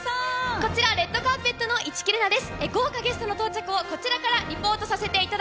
こちら、レッドカーペットの市來玲奈です。